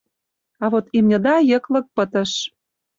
А вот имньыда йыклык пытыш.